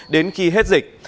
đến khi hết dịch